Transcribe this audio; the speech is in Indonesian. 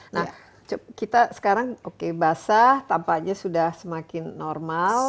nah kita sekarang oke basah tampaknya sudah semakin normal